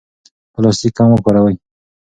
پلاستیک کم وکاروئ.